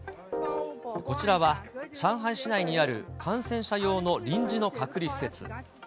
こちらは、上海市内にある感染者用の臨時の隔離施設。